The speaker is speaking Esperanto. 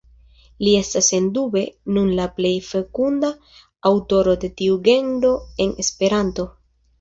Li estas sendube nun la plej fekunda aŭtoro de tiu genro en Esperanto.